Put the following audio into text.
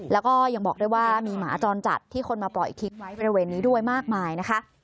แล้วก็ยังบอกด้วยว่ามีหมาจรจัดที่คนมาปล่อยทิ้งไว้บริเวณนี้ด้วยมากมายนะคะ